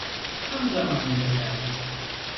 Tam zamanında geldin.